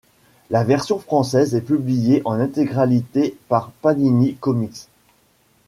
La version française est publiée en intégralité par Panini Comics.